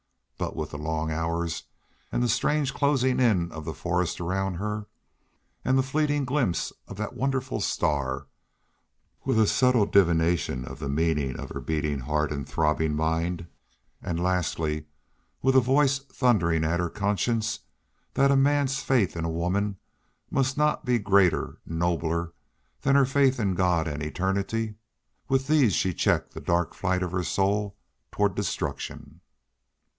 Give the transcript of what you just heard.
But with the long hours and the strange closing in of the forest around her and the fleeting glimpse of that wonderful star, with a subtle divination of the meaning of her beating heart and throbbing mind, and, lastly, with a voice thundering at her conscience that a man's faith in a woman must not be greater, nobler, than her faith in God and eternity with these she checked the dark flight of her soul toward destruction.